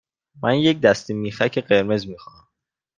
من یک دسته میخک قرمز می خواهم.